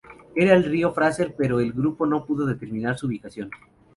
Era el río Fraser pero el grupo no pudo determinar su ubicación.